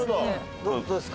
どうですか？